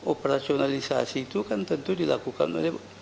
operasionalisasi itu kan tentu dilakukan oleh